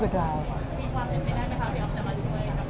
มีความเป็นไปได้ไหมคะที่ออฟจะมาช่วย